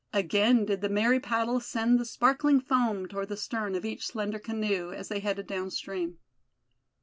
Again did the merry paddles send the sparkling foam toward the stern of each slender canoe, as they headed downstream.